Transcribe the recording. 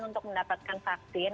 untuk mendapatkan vaksin